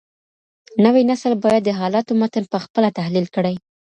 نوی نسل بايد د حالاتو متن په خپله تحليل کړي.